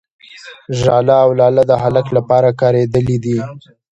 ، ژاله او لاله د هلک لپاره کارېدلي دي.